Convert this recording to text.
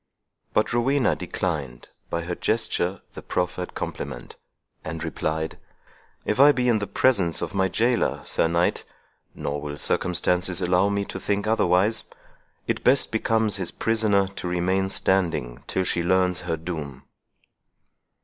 But Rowena declined, by her gesture, the proffered compliment, and replied, "If I be in the presence of my jailor, Sir Knight—nor will circumstances allow me to think otherwise—it best becomes his prisoner to remain standing till she learns her doom."